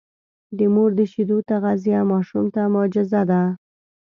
د مور د شیدو تغذیه ماشوم ته معجزه ده.